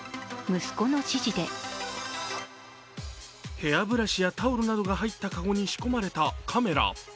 ヘアブラシやタオルなどが入った籠に仕込まれたカメラ。